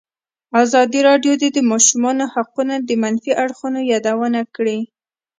ازادي راډیو د د ماشومانو حقونه د منفي اړخونو یادونه کړې.